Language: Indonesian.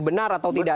benar atau tidak